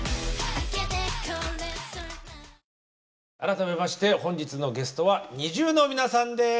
改めまして本日のゲストはＮｉｚｉＵの皆さんです。